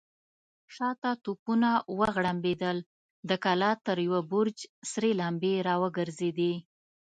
شاته توپونه وغړمبېدل، د کلا تر يوه برج سرې لمبې را وګرځېدې.